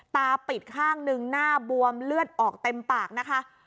ตาปิดข้างหนึ่งหน้าบวมเลือดออกเต็มปากนะคะ